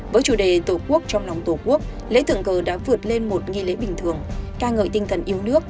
với chủ đề tổ quốc trong lòng tổ quốc lễ thượng cờ đã vượt lên một nghi lễ bình thường ca ngợi tinh thần yêu nước